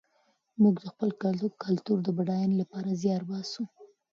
موږ د خپل کلتور د بډاینې لپاره زیار باسو.